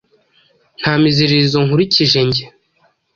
Nta miziririzo nkurikije njye :